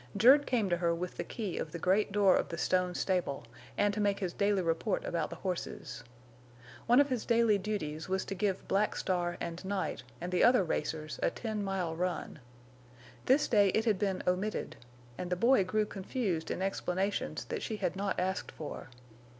Jerd came to her with the key of the great door of the stone stable, and to make his daily report about the horses. One of his daily duties was to give Black Star and Night and the other racers a ten mile run. This day it had been omitted, and the boy grew confused in explanations that she had not asked for.